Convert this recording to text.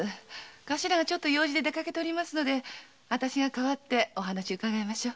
頭が用事で出かけていますので私が代わってお話伺いましょう。